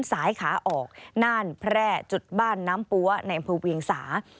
สายขาออกน่านแพร่จุดบ้านน้ำปั๊วในอำเภอเวียงสา